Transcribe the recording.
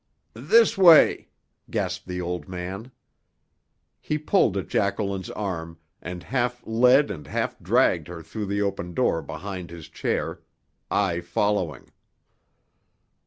"This way!" gasped the old man. He pulled at Jacqueline's arm, and half led and half dragged her through the open door behind his chair, I following.